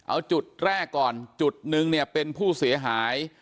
เอาจุดแรกก่อนจุดนึงเนี่ยเป็นผู้เสียหาย